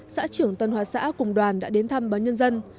xã trưởng tân hóa xã cùng đoàn đã đến thăm báo nhân dân